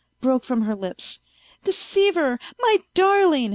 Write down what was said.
" broke from her lips. " Deceiver! My darling!